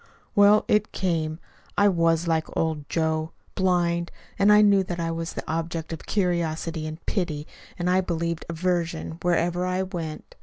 "Well, it came. I was like old Joe blind. And I knew that I was the object of curiosity and pity, and, I believed, aversion, wherever I went.